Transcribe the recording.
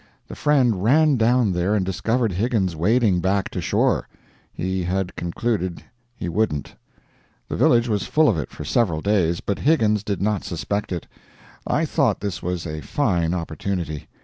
The friend ran down there and discovered Higgins wading back to shore. He had concluded he wouldn't. The village was full of it for several days, but Higgins did not suspect it. I thought this was a fine opportunity.